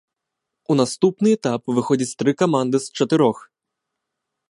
У наступны этап выходзіць тры каманды з чатырох.